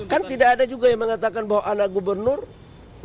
kan tidak ada juga yang mengatakan bahwa anak gubernur tidak